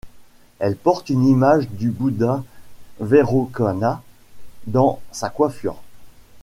Elle porte une image du Bouddha Vairocana dans sa coiffure.